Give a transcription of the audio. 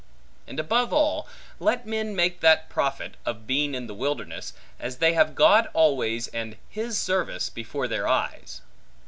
And above all, let men make that profit, of being in the wilderness, as they have God always, and his service, before their eyes.